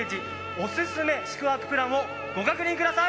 おすすめ宿泊プランをご確認ください。